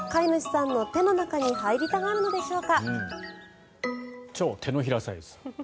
なぜ、手の中に入りたがっているのでしょうか。